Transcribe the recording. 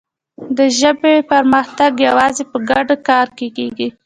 د ژبې پرمختګ یوازې په ګډ کار کېږي.